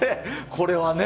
これはね。